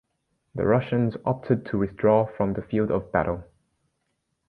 The Russians opted to withdraw from the field of battle.